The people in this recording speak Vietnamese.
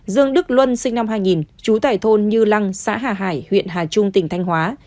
dương đức luân sinh năm hai nghìn trú tại thôn như lăng xã hà hải huyện hà trung tỉnh thanh hóa